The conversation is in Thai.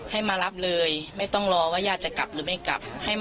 ให้มารับเลยไม่ต้องรอว่าญาติจะกลับหรือไม่กลับ